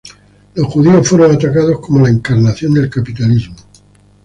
Los judíos fueron atacados como la encarnación del capitalismo.